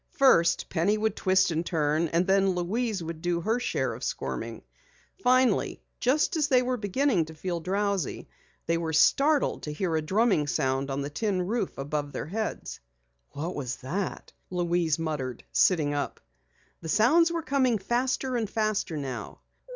First Penny would twist and turn and then Louise would do her share of squirming. Finally just as they were beginning to feel drowsy, they were startled to hear a drumming sound on the tin roof above their heads. "What was that?" Louise muttered, sitting up. The sounds were coming faster and faster now.